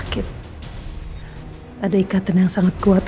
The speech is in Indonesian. dia punya viraset yang sangat kuat